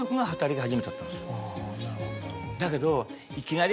だけど。